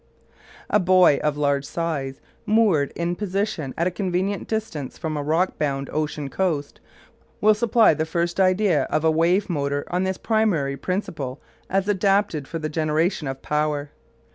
A buoy of large size, moored in position at a convenient distance from a rock bound ocean coast, will supply the first idea of a wave motor on this primary principle as adapted for the generation of power.